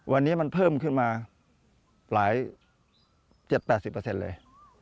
วันนี้มันเพิ่มขึ้นมาหลาย๗๐๘๐เปอร์เซ็นต์เลย